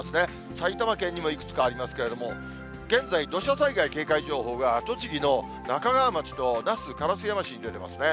埼玉県にもいくつかありますけれども、現在、土砂災害警戒情報が、栃木の那珂川町と那須烏山市に出てますね。